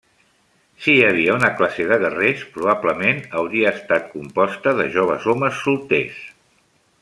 Si hi havia una classe de guerrers, probablement hauria estat composta de joves homes solters.